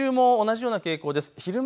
日中も同じような傾向です。